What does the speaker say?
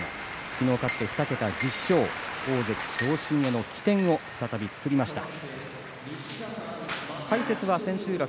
昨日勝って２桁１０勝大関昇進への起点を再び作りました。